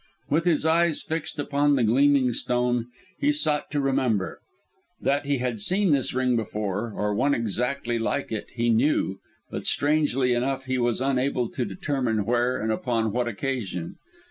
With his eyes fixed upon the gleaming stone, he sought to remember. That he had seen this ring before, or one exactly like it, he knew, but strangely enough he was unable to determine where and upon what occasion.